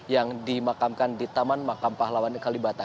yang dimakamkan di taman makam pahlawan kalibata